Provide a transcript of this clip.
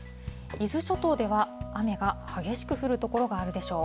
伊豆諸島では雨が激しく降る所があるでしょう。